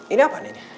ini apaan ini